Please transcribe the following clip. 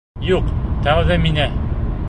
Юҡ, тәүҙә миңә!